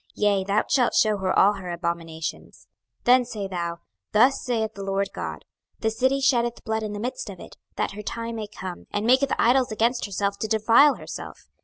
yea, thou shalt shew her all her abominations. 26:022:003 Then say thou, Thus saith the Lord GOD, The city sheddeth blood in the midst of it, that her time may come, and maketh idols against herself to defile herself.